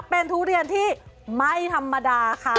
เป็นทุเรียนที่ไม่ธรรมดาค่ะ